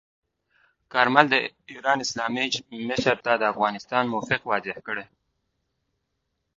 کارمل د ایران اسلامي جمهوریت مشر ته د افغانستان موقف واضح کړ.